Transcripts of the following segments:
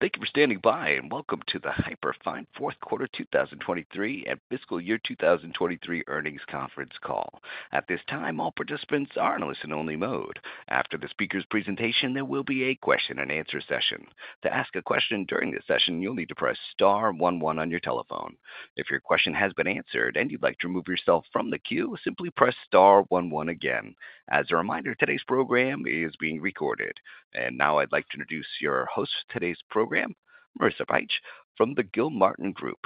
Thank you for standing by and welcome to the Hyperfine fourth quarter 2023 and fiscal year 2023 earnings conference call. At this time, all participants are in listen-only mode. After the speaker's presentation, there will be a question and answer session. To ask a question during this session, you'll need to press star one one on your telephone. If your question has been answered and you'd like to remove yourself from the queue, simply press star one one again. As a reminder, today's program is being recorded. Now I'd like to introduce your host for today's program, Marissa Bych from the Gilmartin Group.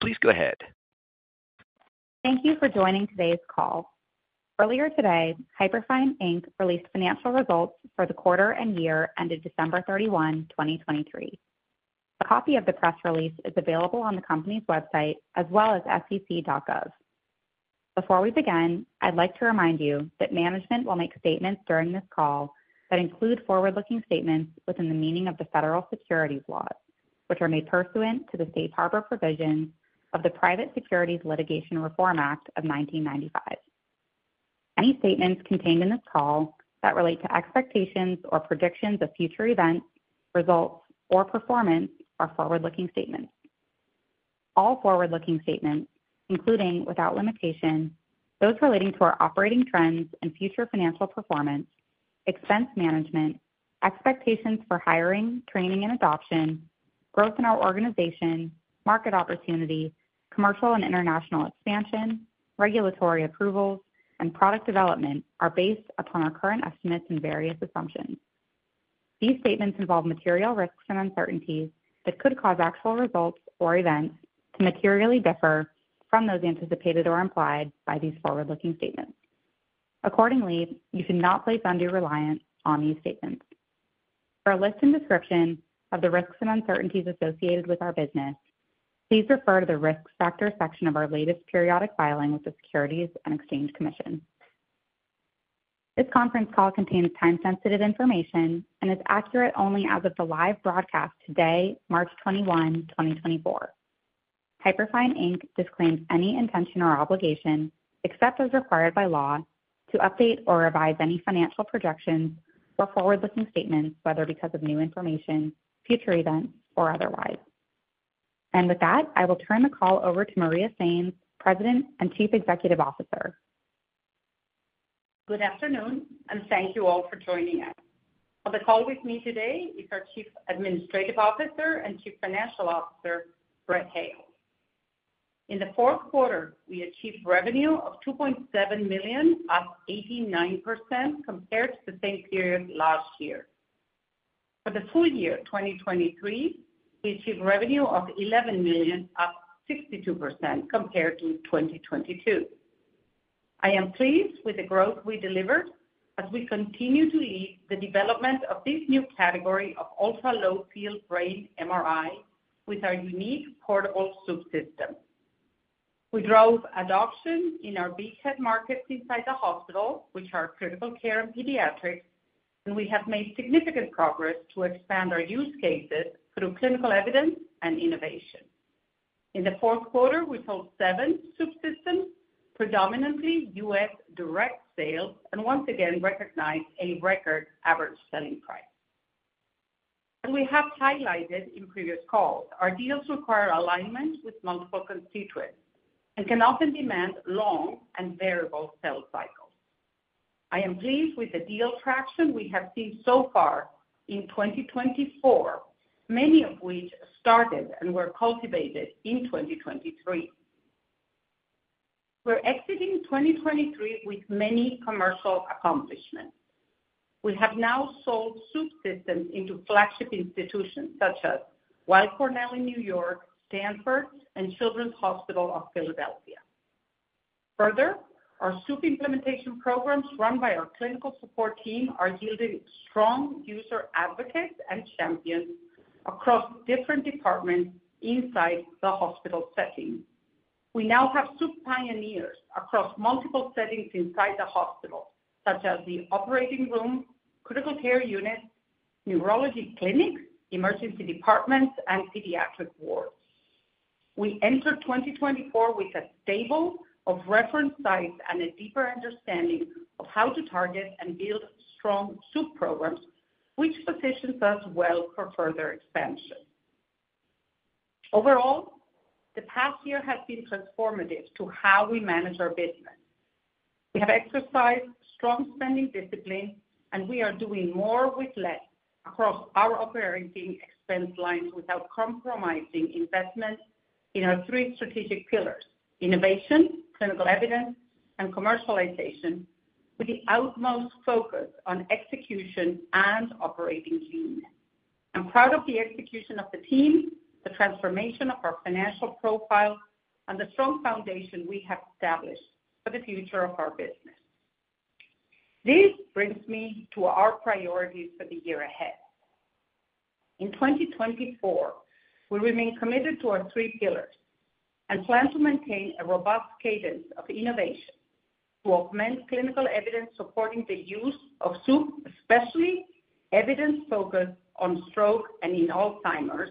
Please go ahead. Thank you for joining today's call. Earlier today, Hyperfine, Inc. released financial results for the quarter and year ended December 31, 2023. A copy of the press release is available on the Company's website as well as sec.gov. Before we begin, I'd like to remind you that management will make statements during this call that include forward-looking statements within the meaning of the federal securities laws, which are made pursuant to the safe harbor provisions of the Private Securities Litigation Reform Act of 1995. Any statements contained in this call that relate to expectations or predictions of future events, results or performance are forward-looking statements. All forward-looking statements, including without limitation those relating to our operating trends and future financial performance, expense management expectations for hiring, training and adoption, growth in our organization, market opportunity, commercial and international expansion, regulatory approvals and product development, are based upon our current estimates and various assumptions. These statements involve material risks and uncertainties that could cause actual results or events to materially differ from those anticipated or implied by these forward-looking statements. Accordingly, you should not place undue reliance on these statements. For a list and description of the risks and uncertainties associated with our business, please refer to the Risk Factors section of our latest periodic filing with the Securities and Exchange Commission. This conference call contains time-sensitive information and is accurate only as of the live broadcast today, March 21, 2024. Hyperfine, Inc. Disclaims any intention or obligation, except as required by law, to update or revise any financial projections or forward looking statements, whether because of new information, future events or otherwise. And with that, I will turn the call over to Maria Sainz, President and Chief Executive Officer. Good afternoon and thank you all for joining us on the call. With me today is our Chief Administrative Officer and Chief Financial Officer Brett Hale. In the fourth quarter we achieved revenue of $2.7 million, up 89% compared to the same period last year. For the full year 2023, we achieved revenue of $11 million, up 62% compared to 2022. I am pleased with the growth we delivered as we continue to lead the development of this new category of ultra-low-field brain MRI. With our unique portable subsystem, we drove adoption in our bedside markets inside the hospital, which are critical care and pediatrics, and we have made significant progress to expand our use cases through clinical evidence and innovation. In the fourth quarter we sold seven subsystems, predominantly U.S. direct sales, and once again recognized a record average selling price. As we have highlighted in previous calls, our deals require alignment with multiple constituents and can often demand long and variable sell cycles. I am pleased with the deal traction we have seen so far in 2024, many of which started and were cultivated in 2023. We're exiting 2023 with many commercial accomplishments. We have now sold Swoop systems into flagship institutions such as Weill Cornell in New York, Stanford and Children's Hospital of Philadelphia. Further, our Swoop implementation programs run by our Clinical support team are yielding strong user advocates and champions across different departments inside the hospital setting. We now have Swoop pioneers across multiple settings inside the hospital such as the operating room, critical care unit, neurology clinics, emergency departments and pediatric wards. We entered 2024 with a stable of reference sites and a deeper understanding of how to target and build strong Swoop programs, which positions us well for further expansion. Overall, the past year has been transformative to how we manage our business. We have exercised strong spending discipline and we are doing more with less across our operating expense lines without compromising investment in our three strategic pillars innovation, clinical evidence and commercialization, with the utmost focus on execution and operating lean. I'm proud of the execution of the team, the transformation of our financial profile and the strong foundation we have established for the future of our business. This brings me to our priorities for the year ahead in 2024. We remain committed to our three pillars and plan to maintain a robust cadence of innovation to augment clinical evidence supporting the use of especially evidence focused on stroke and in Alzheimer's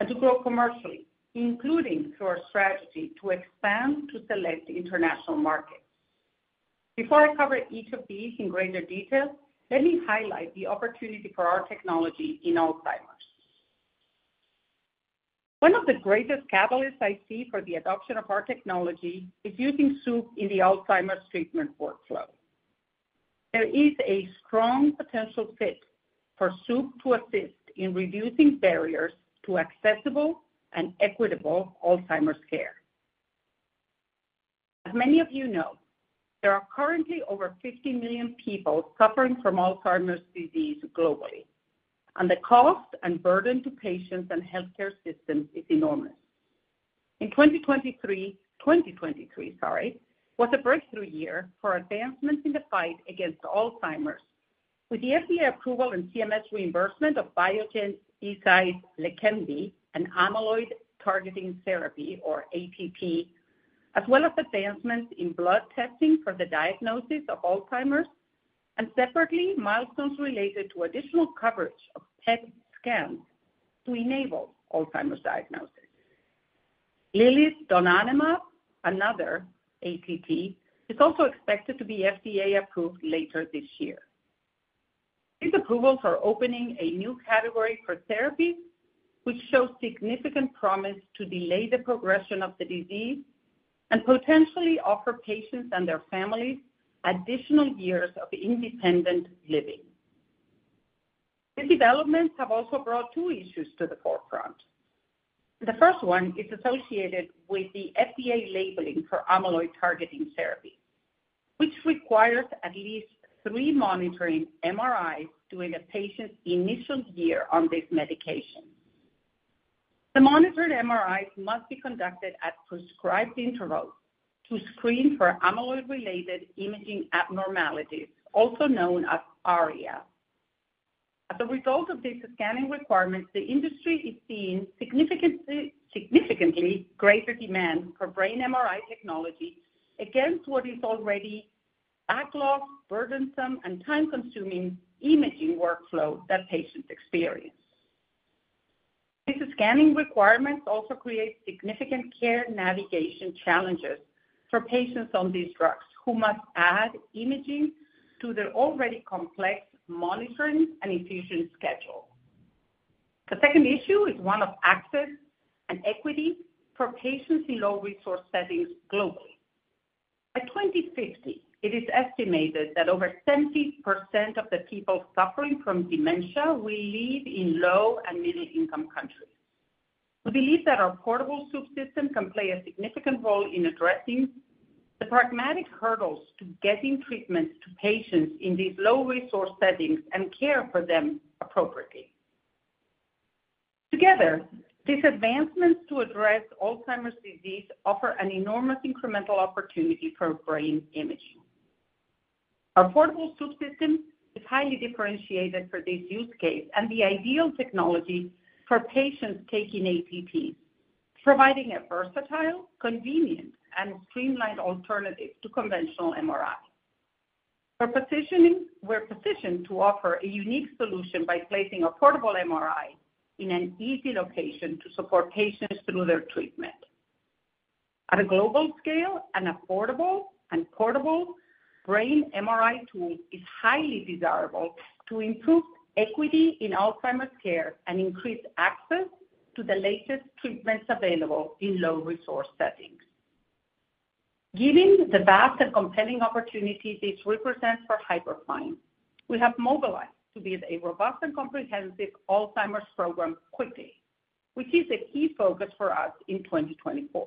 and to grow commercially, including through our strategy to expand to select international markets. Before I cover each of these in greater detail, let me highlight the opportunity for our technology in Alzheimer's. One of the greatest catalysts I see for the adoption of our technology is using Swoop in the Alzheimer's treatment workflow. There is a strong potential fit for Swoop to assist in reducing barriers to accessible and equitable Alzheimer's care. As many of you know, there are currently over 50 million people suffering from Alzheimer's disease globally and the cost and burden to patients and healthcare systems is enormous in 2023. 2023, sorry, was a breakthrough year for advancements in the fight against Alzheimer's with the FDA approval and CMS reimbursement of Biogen, Eisai, Leqembi and amyloid targeting therapy, or ATT, as well as advancements in blood testing for the diagnosis of Alzheimer's and separately, milestones related to additional coverage of PET scans to enable Alzheimer's diagnosis. Eli Lilly's donanemab, another ATT, is also expected to be FDA approved later this year. These approvals are opening a new category for therapies, which show significant promise to delay the progression of the disease and potentially offer patients and their families additional years of independent living. The developments have also brought two issues to the forefront. The first one is associated with the FDA labeling for amyloid targeting therapy, which requires at least three monitoring MRIs during a patient's initial year on this medication. The monitored MRIs must be conducted at prescribed intervals to screen for amyloid-related imaging abnormalities, also known as ARIA. As a result of this scanning requirement, the industry is seeing significantly greater demand for brain MRI technology against what is already backlog, burdensome and time-consuming in imaging workflow that patients experience. These scanning requirements also create significant care navigation challenges for patients on these drugs who must add imaging to their already complex monitoring and infusion schedule. The second issue is one of access and equity for patients in low-resource settings. Globally, by 2050 it is estimated that over 70% of the people suffering from dementia will live in low- and middle-income countries. We believe that our portable Swoop system can play a significant role in addressing the pragmatic hurdles to getting treatment to patients in these low-resource settings and care for them appropriately. Together, these advancements to address Alzheimer's disease offer an enormous incremental opportunity for brain imaging. Our portable Swoop system is highly differentiated for this use case and the ideal technology for patients taking ATT's, providing a versatile, convenient and streamlined alternative to conventional MRI for positioning. We're positioned to offer a unique solution by placing a portable MRI in an easy location to support patients through their treatment. At a global scale, an affordable and portable brain MRI tool is highly desirable to improve equity in Alzheimer's care and increase access to the latest treatments available in low resource settings. Given the vast and compelling opportunity this represents for Hyperfine, we have mobilized to build a robust and comprehensive Alzheimer's program quickly, which is a key focus for us in 2024.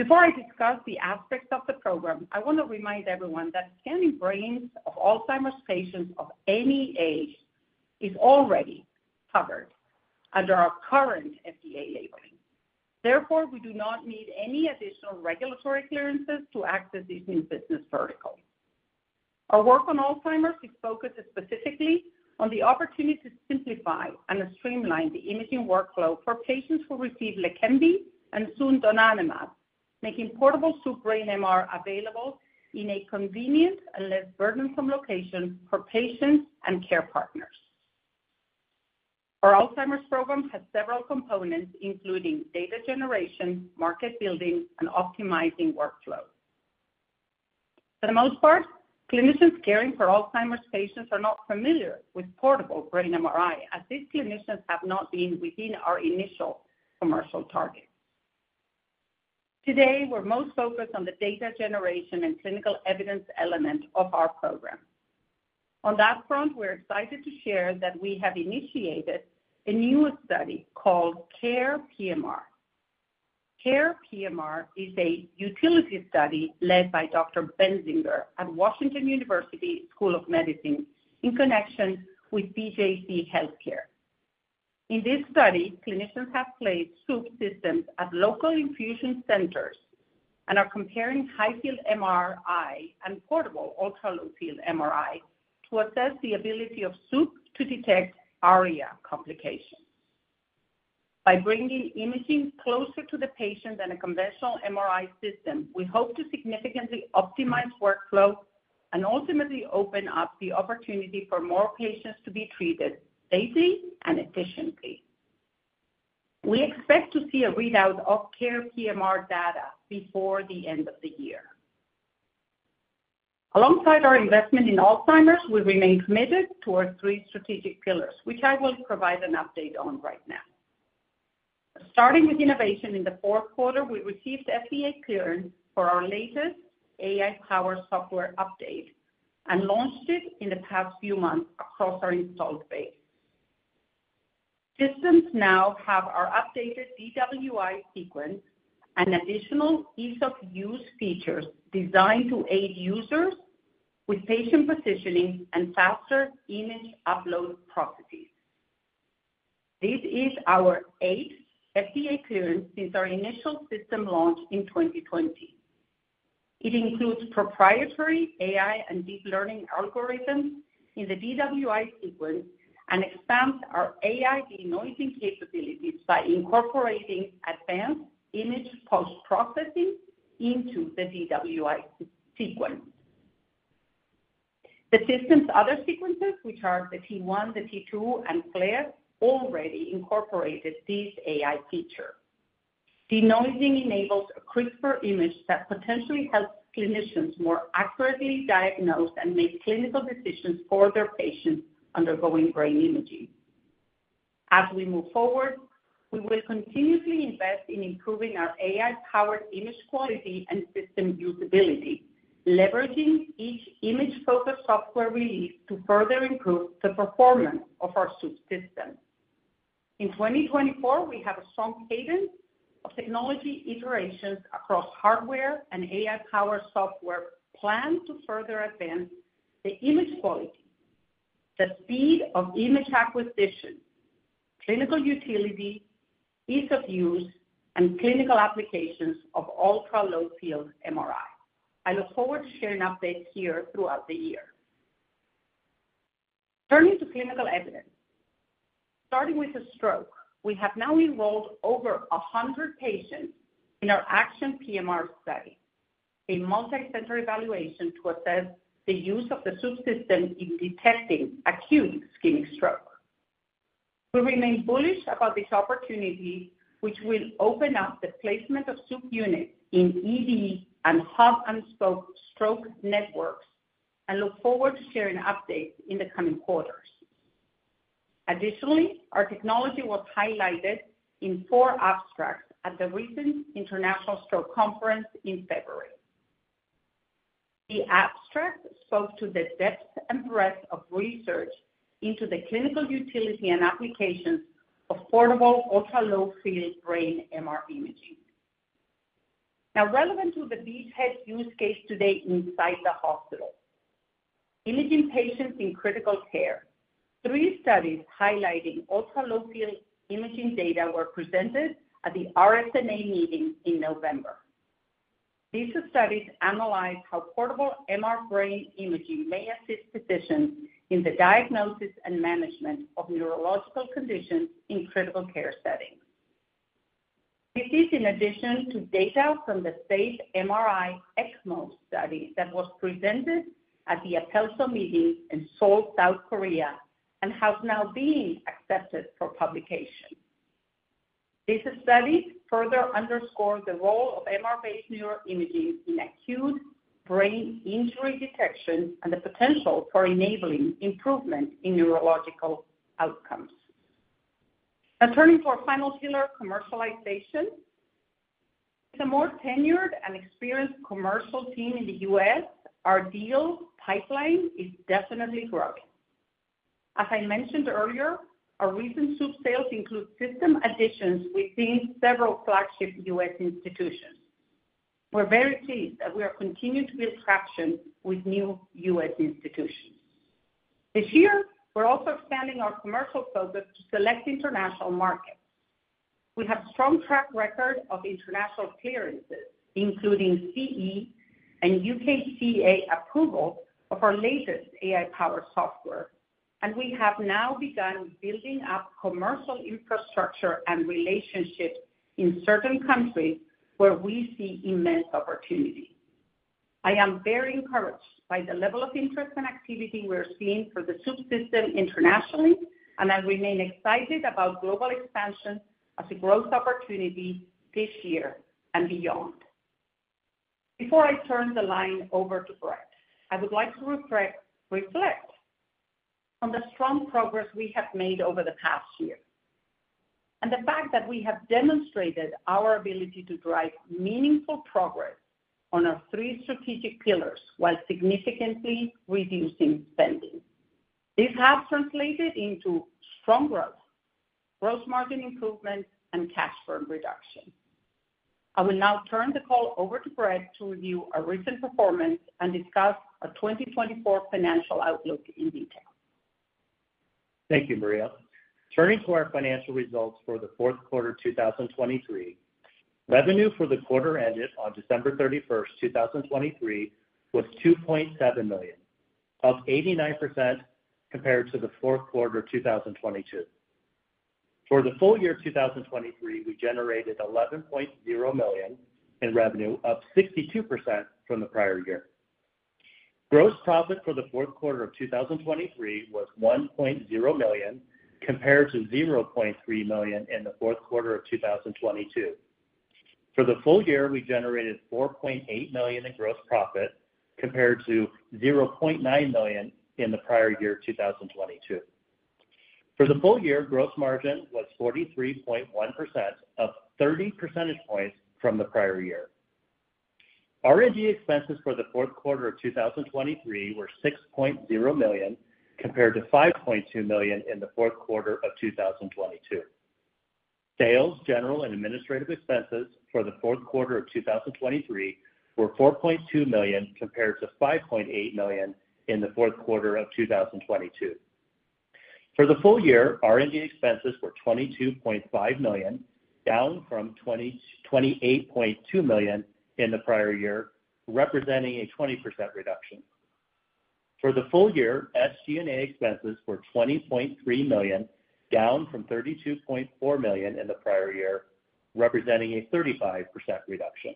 Before I discuss the aspects of the program, I want to remind everyone that scanning brains of Alzheimer's patients of any age is already covered under our current FDA labeling. Therefore, we do not need any additional regulatory clearances to access these new business verticals. Our work on Alzheimer's is focused specifically on the opportunity to simplify and streamline the imaging workflow for patients who receive Leqembi and soon donanemab, making portable Swoop brain MR available in a convenient and less burdensome location for patients and care partners. Our Alzheimer's program has several components including data generation, market building and optimizing workflow. For the most part, clinicians caring for Alzheimer's patients are not familiar with portable brain MRI as these clinicians have not been within our initial commercial targets. Today we're most focused on the data generation and clinical evidence element of our program. On that front, we're excited to share that we have initiated a new study called CARE PMR. CARE PMR is a utility study led by Dr. Benzinger at Washington University School of Medicine in connection with BJC HealthCare. In this study, clinicians have placed Swoop systems at local infusion centers and are comparing high-field MRI and portable ultra-low-field MRI to assess the ability of Swoop to detect ARIA complications. By bringing imaging closer to the patient than a conventional MRI system, we hope to significantly optimize workflow and ultimately open up the opportunity for more patients to be treated safely and efficiently. We expect to see a readout of CARE PMR data before the end of the year. Alongside our investment in Alzheimer's. We remain committed to our three strategic pillars, which I will provide an update on right now, starting with innovation. In the fourth quarter, we received FDA clearance for our latest AI-powered software update and launched it in the past few months. Across our installed base, systems now have our updated DWI sequence and additional ease-of-use features designed to aid users with patient positioning and faster image upload processes. This is our eighth FDA clearance since our initial system launch in 2020. It includes proprietary AI and deep learning algorithms in the DWI sequence and expands our AI denoising capabilities by incorporating advanced image post-processing into the DWI sequence. The system's other sequences, which are the T1, the T2, and FLAIR, already incorporated this AI feature. Denoising enables a crisper image that potentially helps clinicians more accurately diagnose and make clinical decisions for their patients undergoing brain imaging. As we move forward, we will continuously invest in improving our AI-powered image quality and system usability, leveraging each image-focused software release to further improve the performance of our Swoop system in 2024. We have a strong cadence of technology iterations across hardware and AI-powered software planned to further advance the image quality, the speed of image acquisition, clinical utility, ease of use and clinical applications of ultra-low-field MRI. I look forward to sharing updates here throughout the year. Turning to clinical evidence starting with a stroke, we have now enrolled over 100 patients in our ACTION PMR study, a multicenter evaluation to assess the use of the Swoop system in detecting acute ischemic stroke. We remain bullish about this opportunity, which will open up the placement of Swoop units in ED and hub-and-spoke stroke networks and look forward to sharing updates in the coming quarters. Additionally, our technology was highlighted in four abstracts at the recent International Stroke Conference in February. The abstract spoke to the depth and breadth of research into the clinical utility and applications of portable ultra-low-field brain MRI now relevant to the beachhead use case today inside the hospital imaging patients in critical care. Three studies highlighting ultra-low-field imaging data were presented at the RSNA meeting in November. These studies analyze how portable MRI brain imaging may assist physicians in the diagnosis and management of neurological conditions in critical care settings. This is in addition to data from the SAFE MRI ECMO study that was presented at the APELSO meeting in Seoul, South Korea and has now been accepted for publication. This study further underscores the role of MRI-based neuroimaging in acute brain injury detection and the potential for enabling improvement in neurological outcomes. Turning to our final pillar, commercialization. As a more tenured and experienced commercial team in the U.S., our deal pipeline is definitely growing. As I mentioned earlier, our recent Swoop sales include system additions within several flagship US institutions. We're very pleased that we are continuing to build traction with new US institutions this year. We're also expanding our commercial focus to select international markets. We have a strong track record of international clearances, including CE and UKCA approval of our latest AI-powered software, and we have now begun building up commercial infrastructure and relationships in certain countries where we see immense opportunity. I am very encouraged by the level of interest and activity we are seeing for the Swoop system internationally and I remain excited about global expansion as a growth opportunity this year and beyond. Before I turn the line over to Brett, I would like to reflect on the strong progress we have made over the past year and the fact that we have demonstrated our ability to drive meaningful progress on our three strategic pillars while significantly reducing spending. This has translated into strong growth, gross margin improvement and cash burn reduction. I will now turn the call over to Brett to review our recent performance and discuss our 2024 financial outlook in detail. Thank you, Maria. Turning to our financial results for the fourth quarter 2023. Revenue for the quarter ended on December 31, 2023 was $2.7 million, up 89% compared to the fourth quarter 2022. For the full year 2023, we generated $11.0 million in revenue, up 62% from the prior year. Gross profit for the fourth quarter of 2023 was $1.0 million compared to $0.3 million in the fourth quarter of 2022. For the full year, we generated $4.8 million in gross profit compared to $0.9 million in the prior year 2022. For the full year, gross margin was 43.1%, or 30 percentage points from the prior year. R&D expenses for the fourth quarter of 2023 were $6.0 million compared to $5.2 million in the fourth quarter of 2022. Sales, general and administrative expenses for the fourth quarter of 2023 were $4.2 million compared to $5.8 million in the fourth quarter of 2022. For the full year, R&D expenses were $22.5 million, down from $28.2 million in the prior year, representing a 20% reduction. For the full year, SG&A expenses were $20.3 million, down from $32.4 million in the prior year, representing a 35% reduction.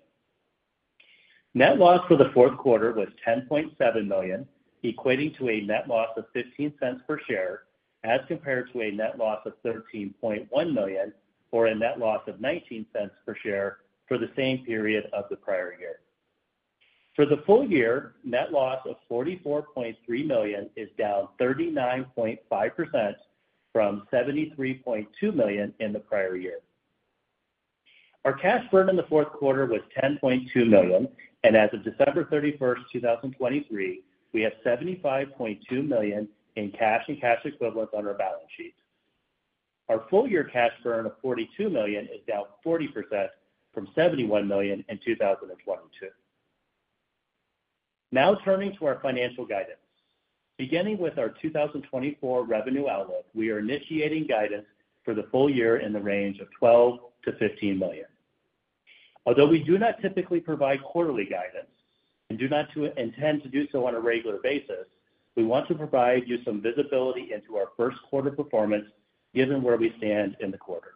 Net loss for the fourth quarter was $10.7 million, equating to a net loss of $0.15 per share as compared to a net loss of $13.1 million for a net loss of $0.19 per share for the same period of the prior year. For the full year, net loss of $44.3 million is down 39.5% from $73.2 million in the prior year. Our cash burn in the fourth quarter was $10.2 million and as of December 31, 2023, we have $75.2 million in cash and cash equivalents on our balance sheet. Our full year cash burn of $42 million is down 40% from $71 million in 2022. Now, turning to our financial guidance, beginning with our 2024 revenue outlook, we are initiating guidance for the full year in the range of $12 million-$15 million. Although we do not typically provide quarterly guidance and do not intend to do so on a regular basis, we want to provide you some visibility into our first quarter performance given where we stand in the quarter.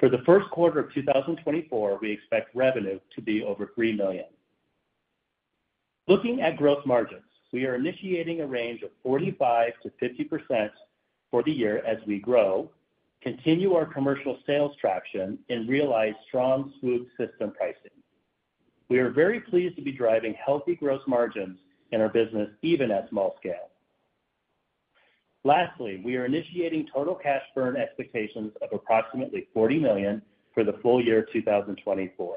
For the first quarter of 2024, we expect revenue to be over $3 million. Looking at gross margins, we are initiating a range of 45%-50% for the year. As we grow, continue our commercial sales traction and realize strong full system pricing, we are very pleased to be driving healthy gross margins in our business even at small scale. Lastly, we are initiating total cash burn expectations of approximately $40 million for the full year 2024.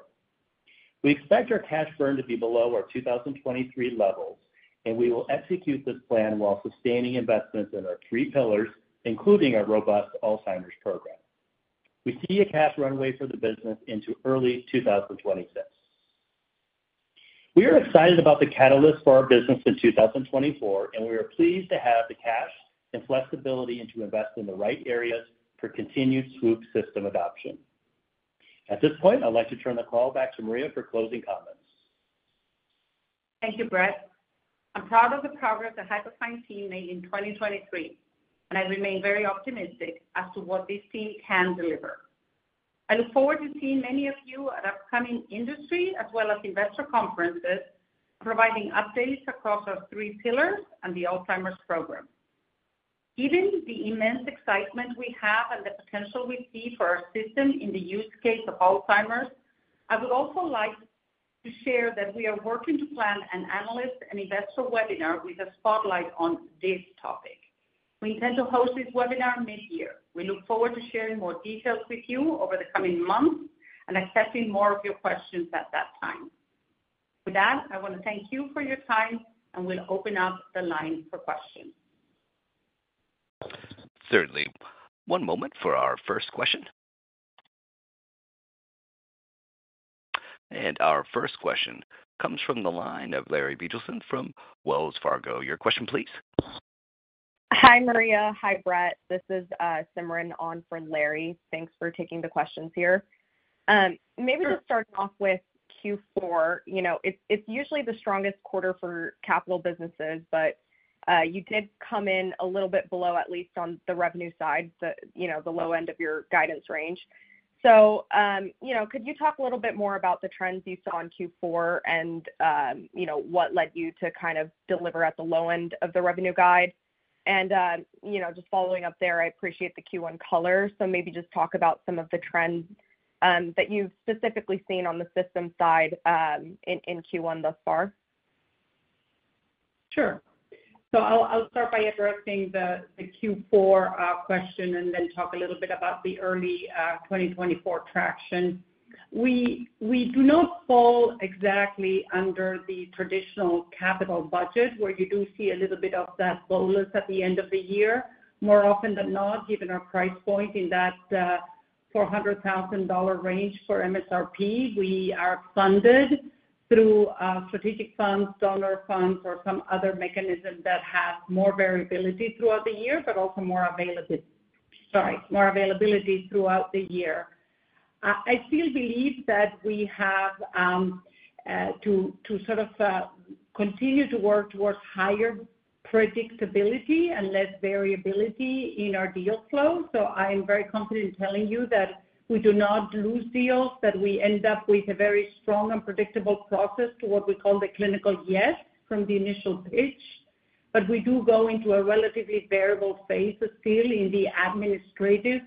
We expect our cash burn to be below our 2023 levels and we will execute this plan while sustaining investments in our three pillars, including our robust Alzheimer's program. We see a cash runway for the business into early 2026. We are excited about the catalyst for our business in 2024 and we are pleased to have the cash and flexibility to invest in the right areas for continued Swoop system adoption. At this point, I'd like to turn the call back to Maria for closing comments. Thank you, Brett. I'm proud of the progress the Hyperfine team made in 2023 and I remain very optimistic as to what this team can deliver. I look forward to seeing many of you at upcoming industry as well as investor conferences providing updates across our three pillars and the Alzheimer's program. Given the immense excitement we have and the potential we see for our system in the use case of Alzheimer's, I would also like to share that we are working to plan an analyst and investor webinar with a spotlight on the AI. We intend to host this webinar mid-year. We look forward to sharing more details with you over the coming months and accepting more of your questions at that time. With that, I want to thank you for your time and we'll open up the line for questions. Certainly. One moment for our first question. Our first question comes from the line of Larry Biegelsen from Wells Fargo. Your question please. Hi Maria, hi Brett. This is Simran on for Larry. Thanks for taking the questions here. Maybe just starting off with Q4. You know, it's usually the strongest quarter for capital businesses, but you did come in a little bit below at least on the revenue side, you know, the low end of your guidance range. So you know, could you talk a little bit more about the trends you saw in Q4 and you know, what led you to kind of deliver at the low end of the revenue guide? And just following up there, I appreciate the Q1 color, so maybe just talk about some of the trends that you've specifically seen on the system side in Q1 thus far? Sure. I'll start by addressing the Q4. Question and then talk a little bit about the early 2024 traction. We do not fall exactly under the traditional capital budget where you do see a little bit of that bolus at the end of the year more often than not, given our price point in that $400,000 range for MSRP, we are funded through strategic funds, donor funds or some other mechanism that have more variability throughout the year, but also more availability. Sorry, more availability throughout the year. I still believe that we have to sort of continue to work towards higher predictability and less variability in our deal flow. So I am very confident telling you that we do not lose deals, that we end up with a very strong and predictable process to what we call the clinical. Yes, from the initial pitch, but we do go into a relatively variable phase still in the administrative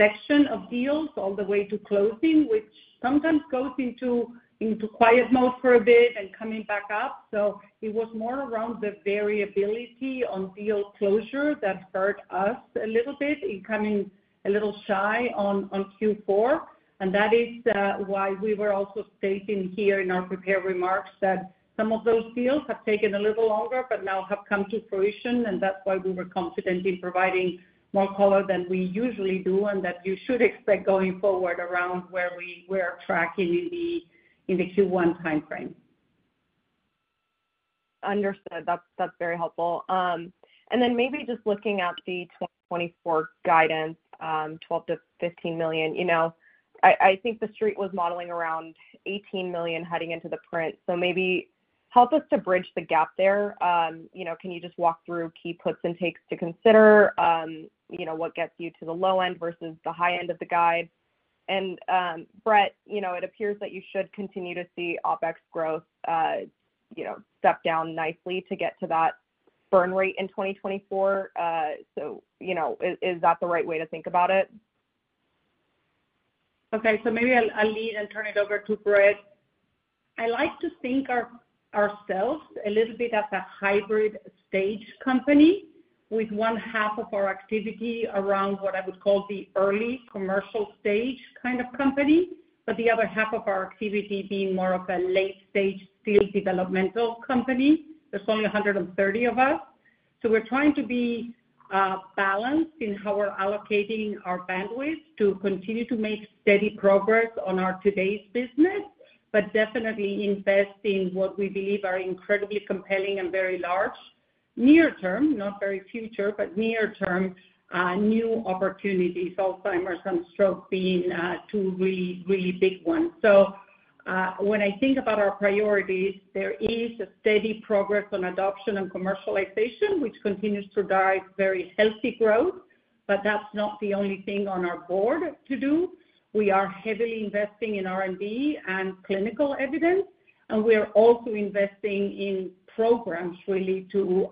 section of deals all the way to closing, which sometimes goes into quiet mode for a bit and coming back up. So it was more around the variability on deal closure that hurt us a little bit in coming a little shy on Q4. And that is why we were also stating here in our prepared remarks that some of those deals have taken a little longer but now have come to fruition and that's why we were confident in providing more color than we usually do and that you should expect going forward around where we are tracking in the Q1 time frame. Understood, that's very helpful. And then maybe just looking at the 2024 guidance, $12 million-$15 million, you know, I think the street was modeling around $18 million heading into the print. So maybe help us to bridge the gap there. You know, can you just walk through key puts and takes to consider, you know, what gets you to the low end versus the high end of the guide. And Brett, you know, it appears that you should continue to see OpEx growth, you know, step down nicely to get to that burn rate in 2024. So, you know, is that the right way to think about it? Okay, so maybe I'll lead and turn it over to Brett. I like to think of ourselves a little bit as a hybrid stage company with one half of our activity around what I would call the early commercial stage kind of company. But the other half of our activity being more of a late stage, still developmental company. There's only 130 of us. So we're trying to be balanced in how we're allocating our bandwidth to continue to make steady progress on our today's business, but definitely invest in what we believe are incredibly compelling and very large, near term, not very future, but near term new opportunities. Alzheimer's and stroke being two really, really big ones. So when I think about our priorities, there is a steady progress on adoption and commercialization, which continues to drive very healthy growth. But that's not the only thing on our plate to do. We are heavily investing in R&D and clinical evidence and we are also investing in programs really to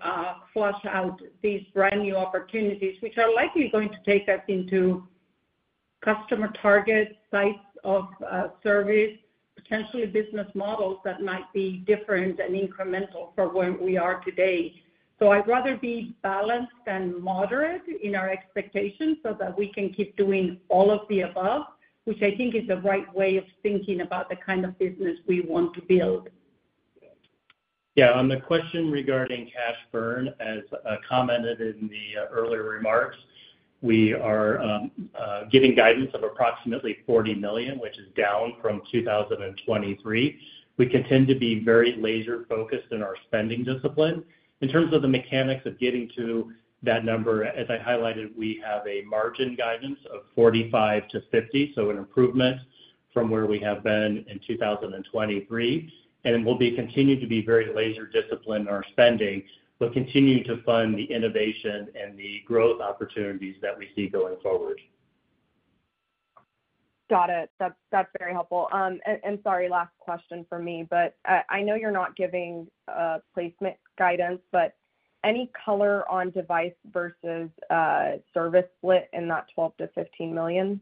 flesh out these brand new opportunities which are likely going to take us into customer targets, sites of service, potentially business models that might be different and incremental for where we are today. So I'd rather be balanced and moderate in our expectations so that we can keep doing all of the above, which I think is the right way of thinking about the kind of business we want to build. Yeah. On the question regarding cash burn, as commented in the earlier remarks, we are giving guidance of approximately $40 million which is down from 2023. We continue to be very laser focused in our spending discipline in terms of the mechanics of getting to that number. As I highlighted, we have a margin guidance of 45%-50%, so an improvement from where we have been in 2023. We'll continue to be very laser disciplined in our spending, but continue to fund the innovation and the growth opportunities that we see going forward. Got it. That's very helpful. Sorry, last question for me, but I know you're not giving placement guidance, but any color on device versus service split in that $12 million-$15 million?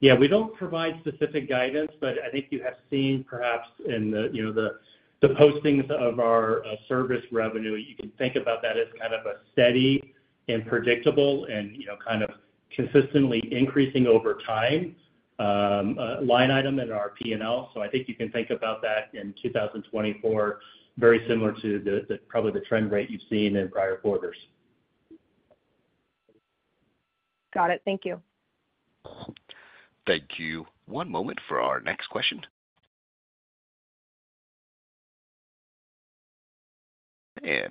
Yeah, we don't provide specific guidance, but I think you have seen perhaps in the postings of our service revenue, you can think about that as kind of a steady and predictable and you know, kind of consistently increasing over time line item in our P&L. So I think you can think about that in 2024. Very similar to probably the trend rate you've seen in prior quarters. Got it. Thank you. Thank you. One moment for our next question.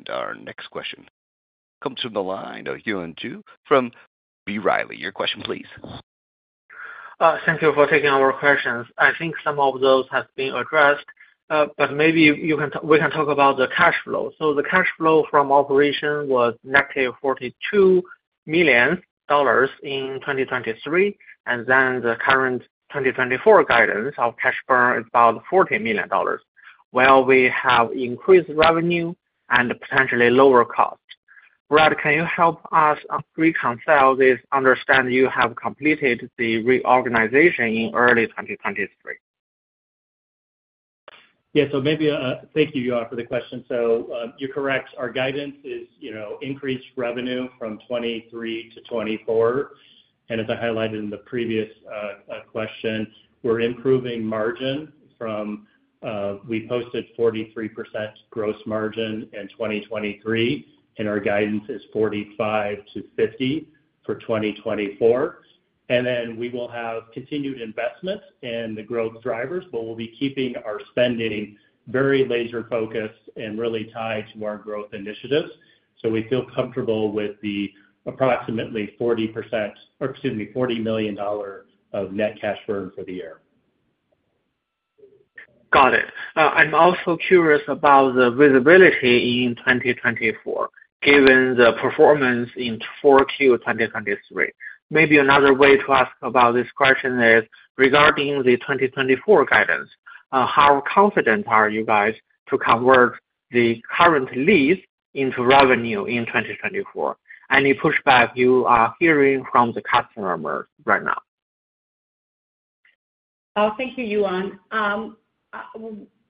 Our next question comes from the line of Yuan Zhi from B. Riley. Your question, please. Thank you for taking our questions. I think some of those have been addressed. But maybe we can talk about the cash flow. So the cash flow from operation was negative $42 million in 2023. And then the current 2024 guidance of cash burn is about $40 million. While we have increased revenue and potentially lower cost. Brett, can you help us reconcile this? Understand you have completed the reorganization in early 2023. Yeah. So maybe. Thank you Yuan for the question. So you're correct. Our guidance is, you know, increased revenue from 2023 to 2024. And as I highlighted in the previous question, we're improving margin from. We posted 43% gross margin in 2023 and our guidance is 45%-50% for 2024. And then we will have continued investment in the growth drivers, but we'll be keeping our spending very laser focused and really tied to our growth initiatives. So we feel comfortable with the approximately 40%, or excuse me, $40 million of net cash burn for the year. Got it. I'm also curious about the visibility in 2024 given the performance in 4Q 2023. Maybe another way to ask about this question is regarding the 2024 guidance. How confident are you guys to convert the current lease into revenue in 2024? Any pushback you are hearing from the customer right now? Thank you Yuan.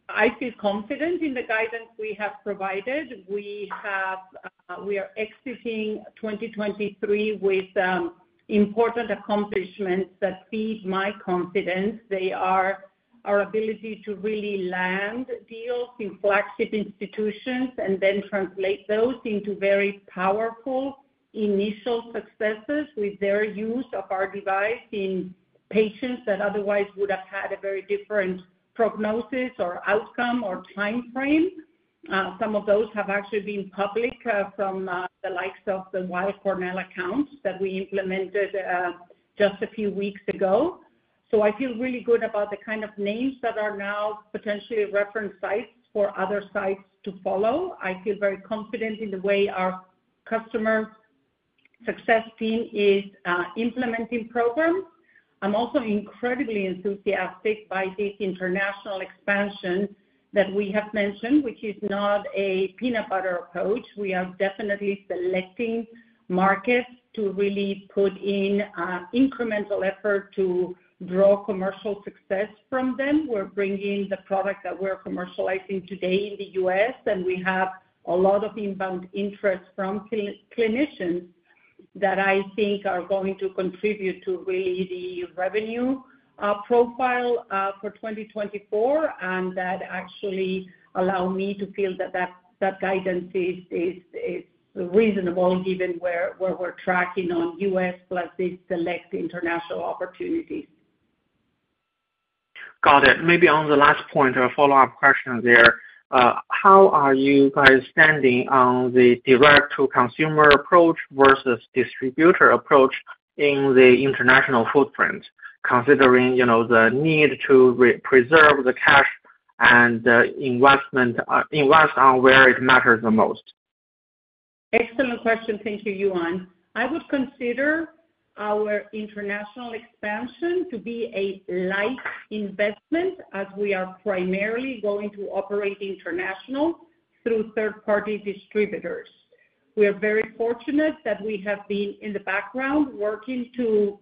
I feel confident in the guidance we have provided. We are exiting 2023 with important accomplishments that feed my confidence. They are our ability to really land deals in flagship institutions and then translate those into very powerful initial successes with their use of our device in patients that otherwise would have had a very different prognosis or outcome or time frame. Some of those have actually been public from the likes of the Weill Cornell accounts that we implemented just a few weeks ago. So I feel really good about the kind of names that are now potentially reference sites for other sites to follow. I feel very confident in the way our customer success team is implementing programs. I'm also incredibly enthusiastic by this international expansion that we have mentioned which is not a peanut butter approach. We are definitely selecting market to really put in incremental effort to draw commercial success from them. We're bringing the product that we're commercializing today in the U.S. and we have a lot of inbound interest from clinicians that I think are going to contribute to really the revenue profile for 2024 and that actually allow me to feel that guidance is reasonable given where we're tracking on U.S. plus these select international opportunities. Got it. Maybe on the last point or follow-up question there, how are you guys standing on the direct to consumer approach versus distributor approach in the international footprint considering the need to preserve the cash and invest on where it matters the most? Excellent question. Thank you Yuan. I would consider our international expansion to be a light investment as we are primarily going to operate international through third party distributors. We are very fortunate that we have been in the background working to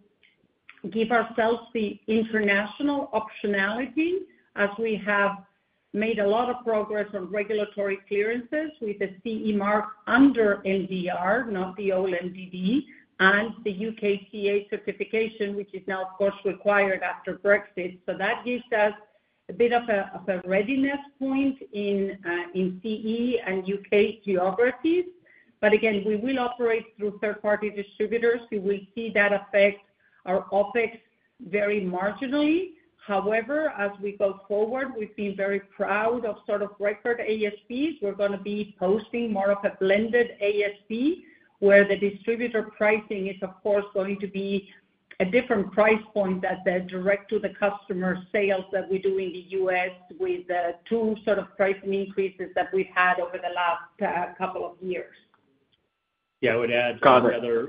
give ourselves the international optionality as we have made a lot of progress on regulatory clearances with the CE Mark under MDR, not the old MDD and the UKCA certification which is now of course required after Brexit. So that gives us a bit of a readiness point in CE and UK geographies. But again we will operate through third party distributors, you will see that effect our OpEx very marginally. However, as we go forward, we've been very proud of sort of record ASPs. We're going to be posting more of a blended ASP where the distributor pricing is of course going to be a different price point that the direct to the customer sales that we do in the U.S. with two sort of pricing increases that we've had over the last couple of years. Yeah. I would add another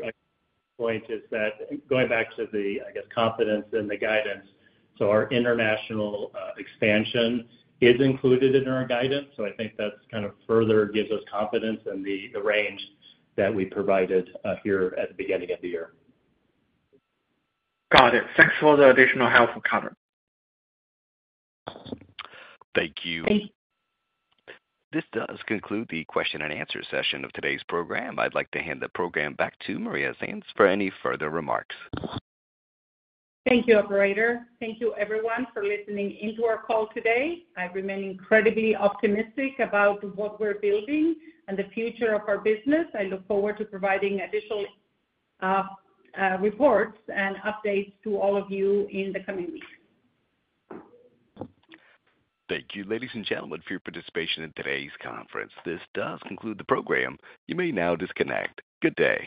point is that going back to the, I guess, confidence and the guidance. So our international expansion is included in our guidance. So I think that's kind of further gives us confidence in the range that we provided here at the beginning of the year. Got it. Thanks for the additional help. Thank you. This does conclude the question and answer session of today's program. I'd like to hand the program back to Maria Sainz for any further remarks. Thank you, operator. Thank you, everyone for listening into our call today. I remain incredibly optimistic about what we're building and the future of our business. I look forward to providing additional reports and updates to all of you in the coming weeks. Thank you, ladies and gentlemen, for your participation in today's conference. This does conclude the program. You may now disconnect. Good day.